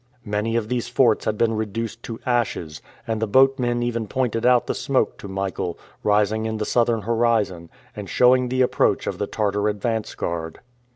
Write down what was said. Many of these forts had been reduced to ashes; and the boatmen even pointed out the smoke to Michael, rising in the southern horizon, and showing the approach of the Tartar advance guard.